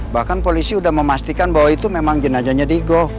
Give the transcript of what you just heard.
bahkan polisi udah memastikan bahwa itu memang jenajahnya diego